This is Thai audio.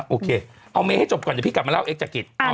โอเคเอาเมย์ให้จบก่อนเดี๋ยวพี่กลับมาเล่าเอ็กจักริต